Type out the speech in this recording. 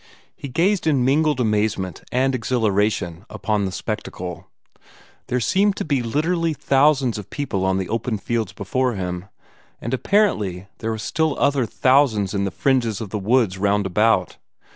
He gazed in mingled amazement and exhilaration upon the spectacle. There seemed to be literally thousands of people on the open fields before him, and apparently there were still other thousands in the fringes of the woods round about.